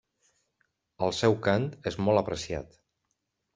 El seu cant és molt apreciat.